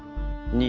２。